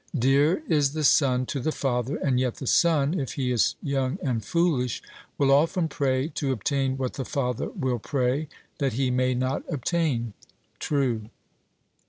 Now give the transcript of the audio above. Dear is the son to the father, and yet the son, if he is young and foolish, will often pray to obtain what the father will pray that he may not obtain. 'True.'